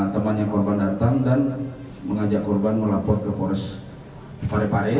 temannya korban datang dan mengajak korban melapor ke polres parepare